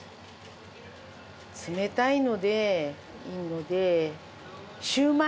冷たいのでいいので焼売！